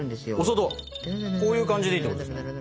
こういう感じでいいってことですか？